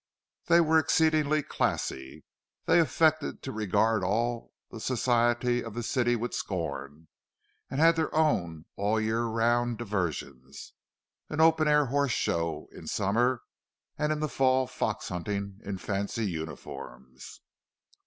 They were exceedingly "classy"; they affected to regard all the Society of the city with scorn, and had their own all the year round diversions—an open air horse show in summer, and in the fall fox hunting in fancy uniforms.